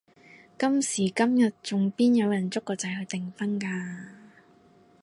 今時今日仲邊有人捉個仔去訂婚㗎？